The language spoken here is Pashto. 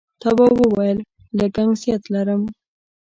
تواب وويل: لږ گنگسیت لرم.